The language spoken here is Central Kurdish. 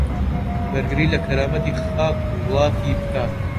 بەرگری لە کەرامەتی خاک و وڵاتی بکات